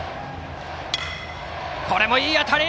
これもいい当たり！